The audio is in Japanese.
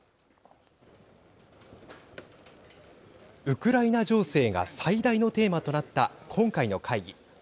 ウクライナ情勢が最大のテーマとなった今回の会議。